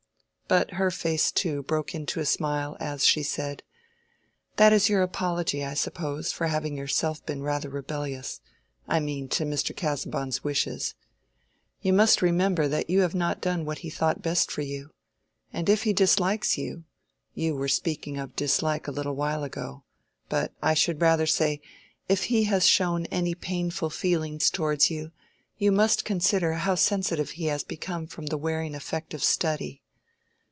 But her face, too, broke into a smile as she said, "That is your apology, I suppose, for having yourself been rather rebellious; I mean, to Mr. Casaubon's wishes. You must remember that you have not done what he thought best for you. And if he dislikes you—you were speaking of dislike a little while ago—but I should rather say, if he has shown any painful feelings towards you, you must consider how sensitive he has become from the wearing effect of study.